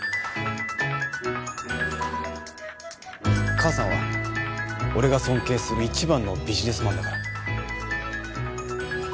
母さんは俺が尊敬する一番のビジネスマンだから。